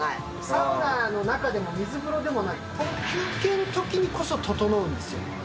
サウナの中でも、水風呂でもなく、この休憩のときにこそ、ととのうんですよ。